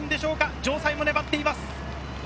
城西も粘っています。